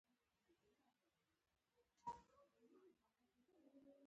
جګړن زه مخاطب کړم.